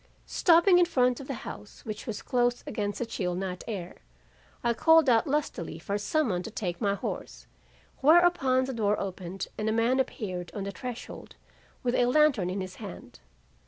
Stopping in front of the house, which was closed against the chill night air, I called out lustily for someone to take my horse, whereupon the door opened and a man appeared on the threshold with a lantern in his hand.